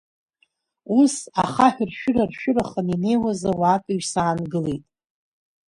Ус, ахаҳәршәыра-ршәыраханы инеиуаз ауаатәыҩса аангылеит.